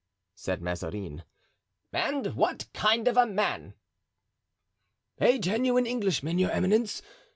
said Mazarin. "And what kind of a man?" "A genuine Englishman, your eminence.